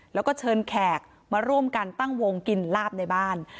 แล้วก็เชิญแขกมาร่วมกันตั้งวงกินลาบในบ้าน